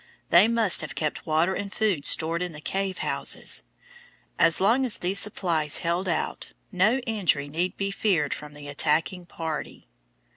They must have kept water and food stored in the cave houses. As long as these supplies held out no injury need be feared from the attacking party.